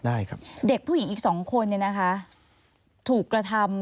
เด็กผู้หญิงอีกสองคนนี้นะคะถูกกระทำ